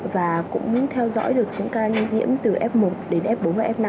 và cũng theo dõi được những ca nhiễm từ f một đến f bốn và f năm